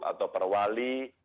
ada yang sudah perwali